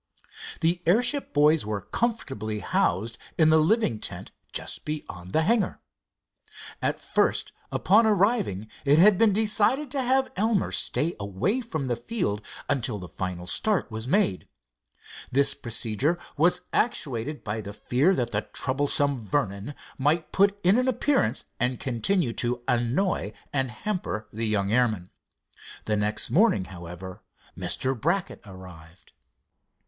The airship boys were comfortably housed in the living tent just beyond the hangar. At first upon arriving it had been decided to have Elmer stay away from the field until the final start was made. This procedure was actuated by the fear that the troublesome Vernon might put in an appearance and continue to annoy and hamper the young airman. The next morning, however, Mr. Brackett arrived.